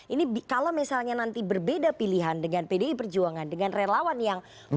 ini kalau misalnya nanti berbeda pilihan dengan pdi perjuangan dengan relawan yang